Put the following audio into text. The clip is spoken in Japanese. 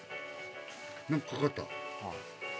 何かかかった。